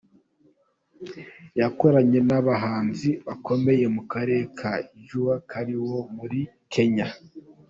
Yakoranye n’abahanzi bakomeye mu Karere nka Jua Kali wo muri Kenya.